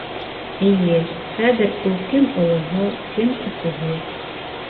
Эйе, хәҙер ул кем олоһо кем кесеһе.